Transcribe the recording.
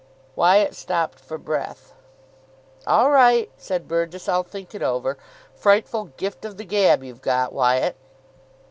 Wyatt stopped for breath. "All right," said Burgess, "I'll think it over. Frightful gift of the gab you've got, Wyatt."